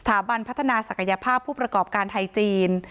ถันพัฒนาศักยภาพผู้ประกอบการไทยจีน